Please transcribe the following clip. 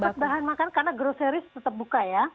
dapat bahan makan karena grocery tetap buka ya